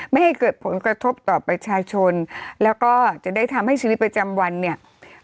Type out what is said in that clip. ไม่ให้เกิดผลกระทบต่อประชาชนแล้วก็จะได้ทำให้ชีวิตประจำวันเนี่ย